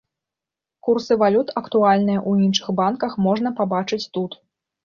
Курсы валют, актуальныя ў іншых банках можна пабачыць тут.